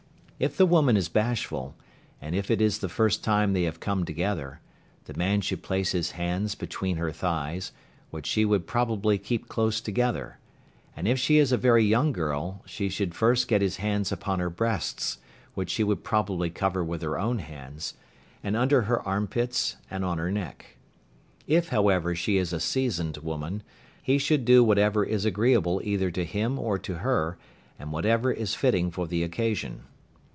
If the woman is bashful, and if it is the first time that they have come together, the man should place his hands between her thighs, which she would probably keep close together, and if she is a very young girl, he should first get his hands upon her breasts, which she would probably cover with her own hands, and under her armpits and on her neck. If however she is a seasoned woman, he should do whatever is agreeable either to him or to her, and whatever is fitting for the occasion.